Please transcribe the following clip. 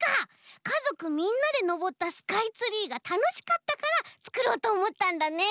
かぞくみんなでのぼったスカイツリーがたのしかったからつくろうとおもったんだね。